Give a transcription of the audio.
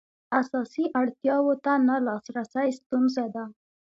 اساسي اړتیاوو ته نه لاسرسی ستونزه ده.